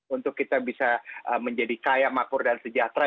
untuk kita bisa menjadi kaya makmur dan sejahtera